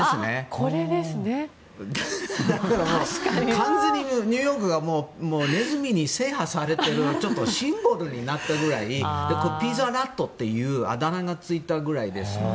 完全にニューヨークがネズミに制覇されているシンボルになったぐらいピザラットというあだ名がついたぐらいですので。